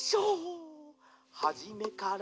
「はじめから」